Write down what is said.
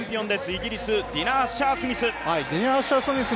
イギリス、ディナ・アッシャー・スミス。